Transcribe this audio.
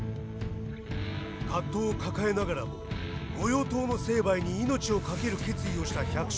葛藤を抱えながらも御用盗の成敗に命をかける決意をした百姓たち。